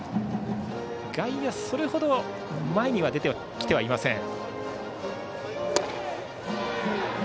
外野、それほど前には出てきていません。